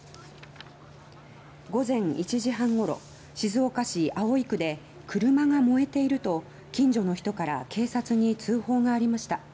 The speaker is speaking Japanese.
午前１時半ごろ静岡市葵区で車が燃えていると近所の人から警察に通報がありました。